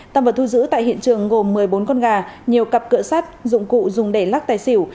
tăng vật thu giữ tại hiện trường gồm một mươi bốn con gà nhiều cặp cửa sắt dụng cụ dùng để lắc tài xỉu